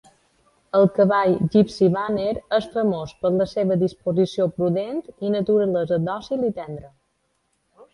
El cavall Gypsy Vanner és famós per la seva disposició prudent i naturalesa dòcil i tendra.